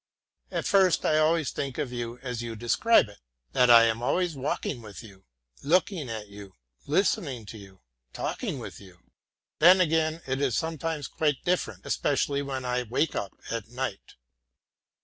At first I always think of you as you describe it that I am walking with you, looking at you, listening to you, talking with you. Then again it is sometimes quite different, especially when I wake up at night.